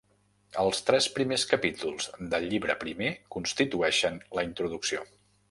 Els tres primers capítols del llibre primer constitueixen la introducció.